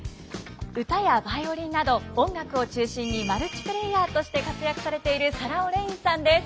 歌やバイオリンなど音楽を中心にマルチプレーヤーとして活躍されているサラ・オレインさんです。